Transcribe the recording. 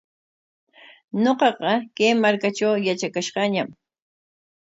Ñuqaqa kay markatraw yatrakash kaañam.